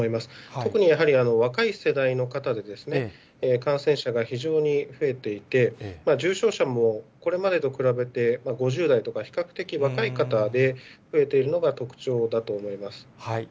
特にやはり、若い世代の方でですね、感染者が非常に増えていて、重症者もこれまでと比べて５０代とか、比較的若い方で増えているのが特徴だと思います。